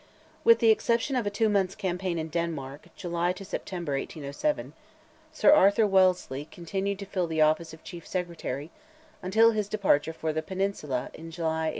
With the exception of a two months' campaign in Denmark—July to September, 1807—Sir Arthur Wellesley continued to fill the office of Chief Secretary, until his departure for the Peninsula, in July, 1808.